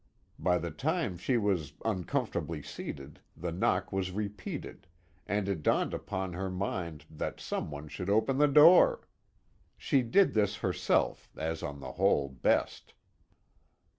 By the time she was uncomfortably seated, the knock was repeated, and it dawned upon her mind that some one should open the door. She did this herself, as on the whole, best.